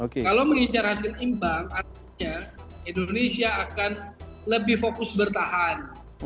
kalau mengincar hasil imbang artinya indonesia akan lebih fokus bertahan